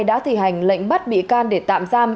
đã thi hành lệnh bắt bị can để tạm giam